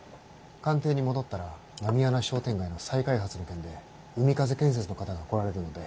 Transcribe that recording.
官邸に戻ったら狸穴商店街の再開発の件で海風建設の方が来られるので。